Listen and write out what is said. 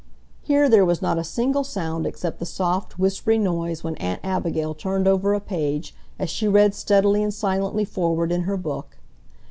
Here there was not a single sound except the soft, whispery noise when Aunt Abigail turned over a page as she read steadily and silently forward in her book.